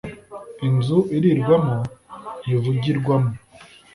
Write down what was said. inzu irirwamo ntivugirwamo